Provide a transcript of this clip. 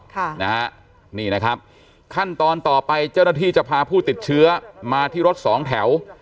ค่ะนะฮะนี่นะครับขั้นตอนต่อไปเจ้าหน้าที่จะพาผู้ติดเชื้อมาที่รถสองแถว